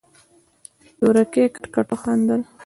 تورکي کټ کټ وخندل.